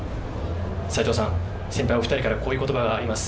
齋藤さん、先輩お２人から、こういうおことばがあります。